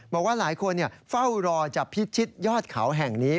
บอกว่าหลายคนเฝ้ารอจับพิชิตยอดเขาแห่งนี้